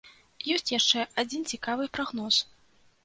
Ёсць яшчэ адзін цікавы прагноз.